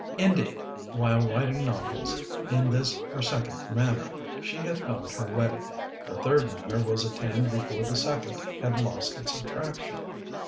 Indeed, while writing novels in this her second manner, she had found her way; her third manner was attained before the second had lost its attraction.